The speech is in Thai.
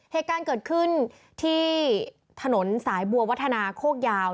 เหตุการณ์เกิดขึ้นที่ถนนสายบัววัฒนาโคกยาว